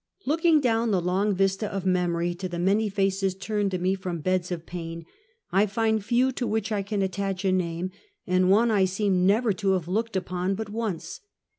Looking down the long vista of memory, to the many faces turned to me from beds of pain, I find few to which I can attach a name, and one I seem never to have looked upon but once.